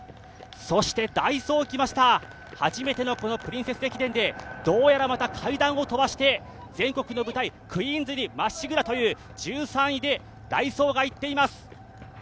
ダイソーが来ました、初めての「プリンセス駅伝」でどうやらまた階段を飛ばして全国の舞台、「クイーンズ」にまっしぐらという１３位でダイソーがいっています！